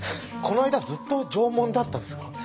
この間ずっと縄文だったんですか？